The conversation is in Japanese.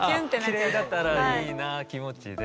きれいだったらいいな気持ちで。